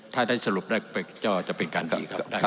ถ้าได้สรุปได้ก็จะเป็นการดีครับ